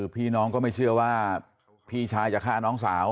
พี่น้องก็ไม่เชื่อว่าพี่ชายจะฆ่าน้องสาว